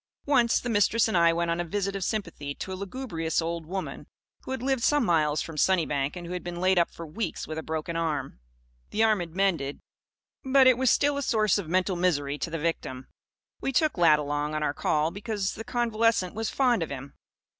Once, the Mistress and I went on a visit of sympathy to a lugubrious old woman who lived some miles from Sunnybank, and who had been laid up for weeks with a broken arm. The arm had mended. But it was still a source of mental misery to the victim. We took Lad along, on our call, because the convalescent was fond of him.